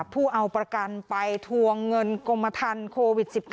ผู้เอาประกันไปทวงเงินกรมทันโควิด๑๙